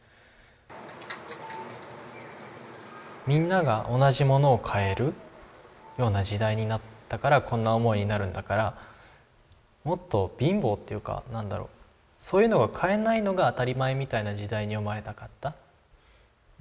みんなが同じものを買えるような時代になったからこんな思いになるんだからもっと貧乏っていうか何だろうそういうのが買えないのが当たり前みたいな時代に生まれたかった。